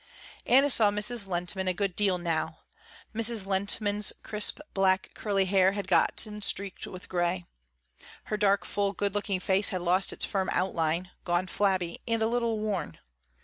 Anna saw Mrs. Lehntman a good deal now. Mrs. Lehntman's crisp, black, curly hair had gotten streaked with gray. Her dark, full, good looking face had lost its firm outline, gone flabby and a little worn.